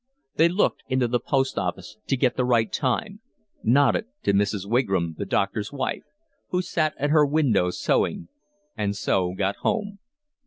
They looked into the post office to get the right time, nodded to Mrs. Wigram the doctor's wife, who sat at her window sewing, and so got home.